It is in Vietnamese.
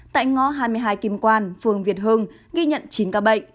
tại ngõ hai mươi hai kim quan phường việt hưng ghi nhận chín ca bệnh